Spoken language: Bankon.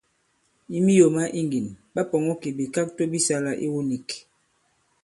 I miyò ma iŋgìn, ɓa pɔ̀ŋɔ kì bìkakto bi sālā iwu nīk.